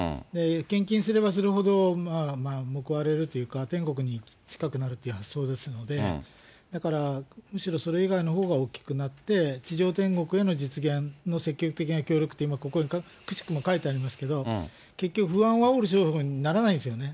献金すればするほど報われるというか、天国に近くなるっていう発想ですので、だからむしろそれ以外のほうが大きくなって、地上天国への実現の積極的な協力というふうに、ここにくしくも書いてありますけれども、結局不安をあおる商法にならないんですよね。